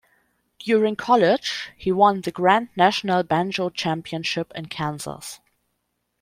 During college, he won the Grand National Banjo Championship in Kansas.